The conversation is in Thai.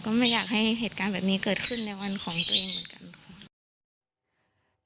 ไม่อยากให้เหตุการณ์แบบนี้เกิดขึ้นในวันของตัวเองเหมือนกันค่ะ